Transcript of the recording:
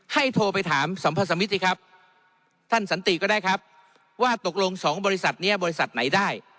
โทรไปถามสัมพสมิตสิครับท่านสันติก็ได้ครับว่าตกลง๒บริษัทนี้บริษัทไหนได้